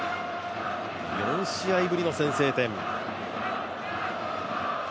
４試合ぶりの先制点。